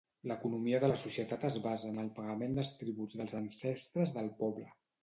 L'economia de la societat es basa en el pagament de tributs dels ancestres del poble.